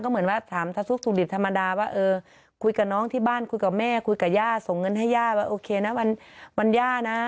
เหมือนว่าถามทะซุกสุดิตธรรมดาว่าเออคุยกับน้องที่บ้านคุยกับแม่คุยกับย่าส่งเงินให้ย่าว่าโอเคนะวันย่านะ